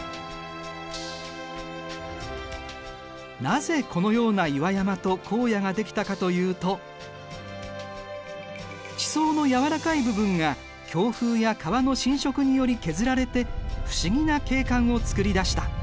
なぜこのような岩山と荒野ができたかというと地層のやわらかい部分が強風や川の浸食により削られて不思議な景観を作り出した。